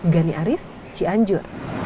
gani aris cianjur